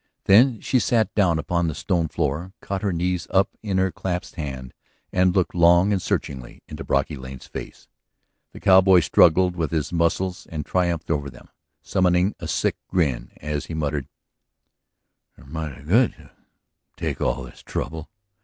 Then she sat down upon the stone floor, caught her knees up in her clasped hands, and looked long and searchingly into Brocky Lane's face. The cowboy struggled with his muscles and triumphed over them, summoning a sick grin as he muttered: "You're mighty good to take all this trouble.